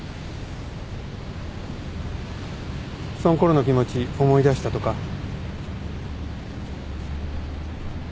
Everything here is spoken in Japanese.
そのころの気持ち思い出したとか？